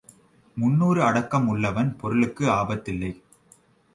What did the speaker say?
முன்னூறு அடக்கம் உள்ளவன் பொருளுக்கு ஆபத்து இல்லை.